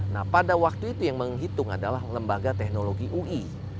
nah pada waktu itu yang menghitung adalah lembaga teknologi ui